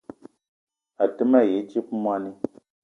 A te ma yi dzip moni